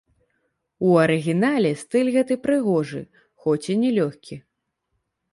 У арыгінале стыль гэты прыгожы, хоць і не лёгкі.